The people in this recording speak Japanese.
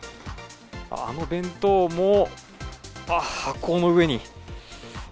あの弁当も、あっ、箱の上に。